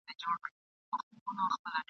تا په تور او سپین جادو قرنونه غولولي وو ..